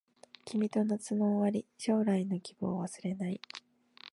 君と夏の終わり将来の希望忘れない